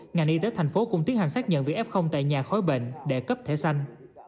ngành y tế thành phố cũng tiến hành xác nhận việc f tại nhà khói bệnh để cấp thể sanh